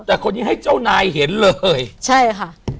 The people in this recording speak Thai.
แต่คนนี้ให้เจ้านายเห็นเลยใช่ค่ะ